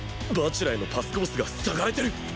蜂楽へのパスコースが塞がれてる！？